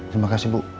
terima kasih bu